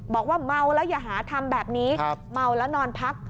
บอกว่าเมาแล้วอย่าหาทำแบบนี้เมาแล้วนอนพัก